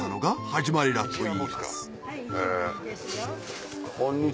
はい。